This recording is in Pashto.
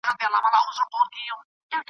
دښمن راغلی د کتابونو .